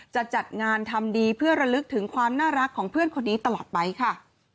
จะจัดงานทำดีเพื่อระลึกถึงความน่ารักของเพื่อนคนนี้ตลอดไปค่ะ